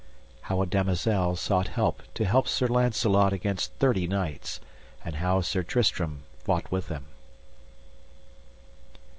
How a damosel sought help to help Sir Launcelot against thirty knights, and how Sir Tristram fought with them.